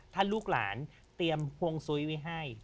ถ้าลูกหลานเตรียมฮวงซุ้ยไว้ให้